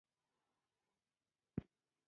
زردالو د افغانستان د زرغونتیا یوه څرګنده نښه ده.